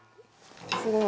すごい。